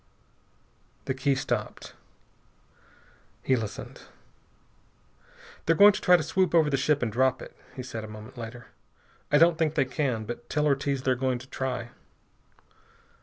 The key stopped. He listened. "They're going to try to swoop over the ship and drop it," he said a moment later. "I don't think they can. But tell Ortiz they're going to try."